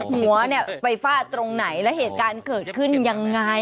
หัวเนี่ยไปฟาดตรงไหนแล้วเหตุการณ์เกิดขึ้นยังไง